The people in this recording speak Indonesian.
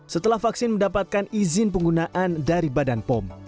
setelah vaksin mendapatkan izin penggunaan dari badan pom